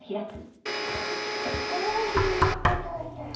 ・そういうことさ。